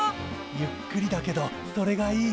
ゆっくりだけどそれがいい。